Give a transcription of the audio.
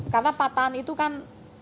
karena patahan itu kan